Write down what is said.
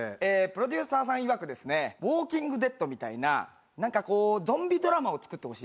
プロデューサーさんいわく『ウォーキング・デッド』みたいなゾンビドラマを作ってほしいと。